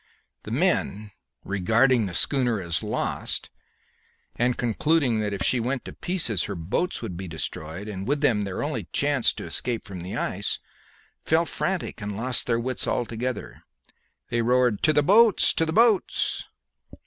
The men, regarding the schooner as lost, and and concluding that if she went to pieces her boats would be destroyed, and with them their only chance to escape from the ice, fell frantic and lost their wits altogether. They roared, 'To the boats! to the boats!'